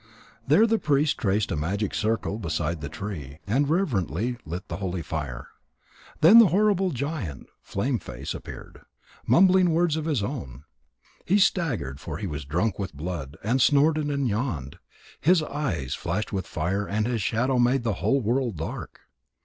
There the priest traced a magic circle beside the tree, and reverently lit the holy fire. Then the horrible giant Flame face appeared, mumbling words of his own. He staggered, for he was drunk with blood, and snorted and yawned. His eyes flashed fire and his shadow made the whole world dark.